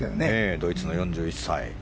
ドイツの４１歳。